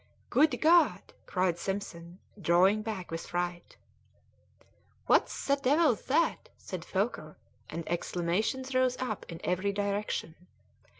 "Good God!" cried Simpson, drawing back with fright. "What the devil's that?" said Foker, and exclamations rose up in every direction.